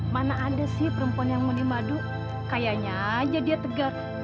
mana ada sih perempuan yang muni madu kayaknya aja dia tegar